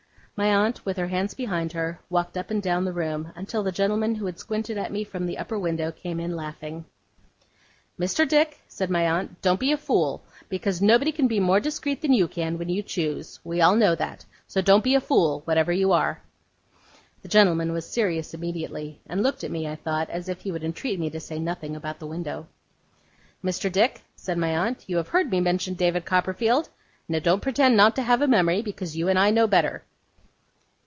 My aunt, with her hands behind her, walked up and down the room, until the gentleman who had squinted at me from the upper window came in laughing. 'Mr. Dick,' said my aunt, 'don't be a fool, because nobody can be more discreet than you can, when you choose. We all know that. So don't be a fool, whatever you are.' The gentleman was serious immediately, and looked at me, I thought, as if he would entreat me to say nothing about the window. 'Mr. Dick,' said my aunt, 'you have heard me mention David Copperfield? Now don't pretend not to have a memory, because you and I know better.